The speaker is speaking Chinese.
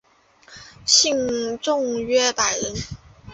信众约百人。